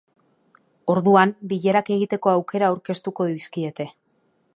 Orduan, bilerak egiteko aukera aurkeztuko dizkiete.